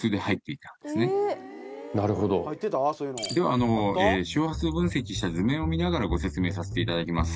では周波数分析した図面を見ながらご説明させていただきます。